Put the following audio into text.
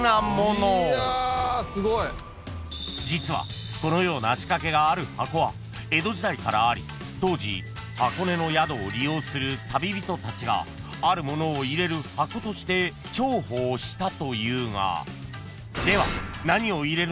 ［実はこのような仕掛けがある箱は江戸時代からあり当時箱根の宿を利用する旅人たちがあるものを入れる箱として重宝したというが］